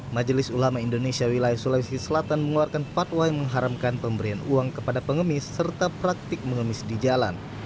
majelis ulama indonesia wilayah sulawesi selatan mengeluarkan fatwa yang mengharamkan pemberian uang kepada pengemis serta praktik mengemis di jalan